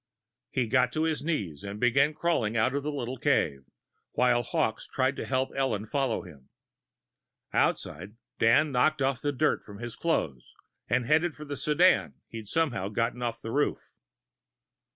He got to his knees and began crawling out of the little cave, while Hawkes tried to help Ellen follow him. Outside, Dan knocked off the dirt from his clothes and headed for the sedan he'd, somehow gotten off the roof.